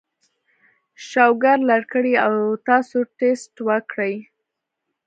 شوګر لر کړي او تاسو ټېسټ وکړئ